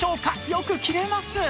よく切れます！